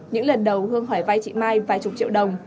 những lần đầu hương hỏi vay chị mai vài chục triệu đồng